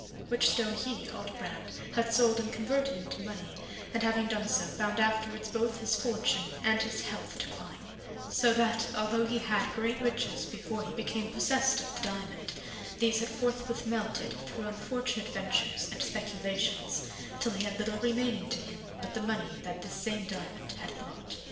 Which stone he, Aldobrand, had sold and converted into money, and having so done, found afterwards both his fortune and his health decline; so that, although he had great riches before he became possessed of the diamond, these had forthwith melted through unfortunate ventures and speculations, till he had little remaining to him but the money that this same diamond had brought.